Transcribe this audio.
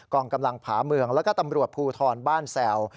องกำลังผาเมืองแล้วก็ตำรวจภูทรบ้านแซว